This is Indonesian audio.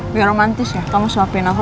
lebih romantis ya kamu suapin aku